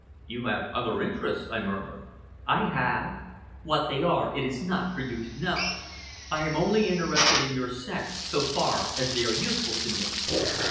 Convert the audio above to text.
"You have other interests," I murmured. "I have! What they are it is not for you to know. I am only interested in your sex so far as they are useful to me.